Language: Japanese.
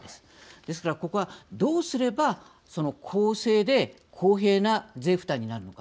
ですから、ここはどうすれば公正で公平な税負担になるのか。